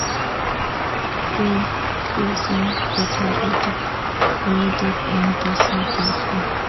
ke besen kotariti kabatik eng' teset ab kee